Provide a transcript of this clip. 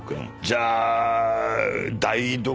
じゃあ。